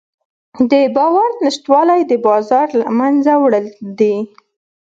د باور نشتوالی د بازار له منځه وړل دي.